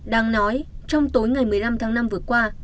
đang nói trong tối ngày một mươi năm tháng năm vừa qua